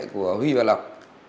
của huy và lộc